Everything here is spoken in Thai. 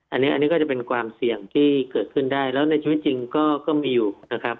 อันนี้ก็จะเป็นความเสี่ยงที่เกิดขึ้นได้แล้วในชีวิตจริงก็มีอยู่นะครับ